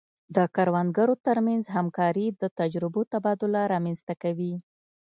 د کروندګرو ترمنځ همکاري د تجربو تبادله رامنځته کوي.